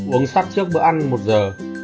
ba uống sắt trước bữa ăn một giờ